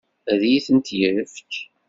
Ad iyi-tent-yefk?